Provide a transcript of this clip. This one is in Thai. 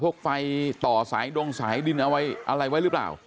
ไฟต่อสายดงสายดินอะไรไว้หรือเปล่า